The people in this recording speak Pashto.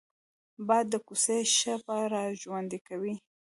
باد د کوڅې شپه را ژوندي کوي